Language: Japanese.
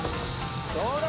どうだ？